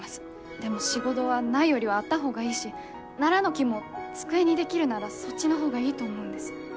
でも仕事はないよりはあった方がいいしナラの木も机に出来るならそっちの方がいいと思うんです。